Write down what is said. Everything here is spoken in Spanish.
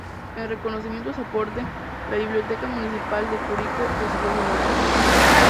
En reconocimiento a su aporte, la Biblioteca Municipal de Curicó recibió su nombre.